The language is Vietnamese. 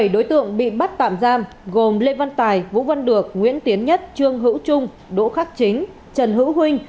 bảy đối tượng bị bắt tạm giam gồm lê văn tài vũ văn được nguyễn tiến nhất trương hữu trung đỗ khắc chính trần hữu huynh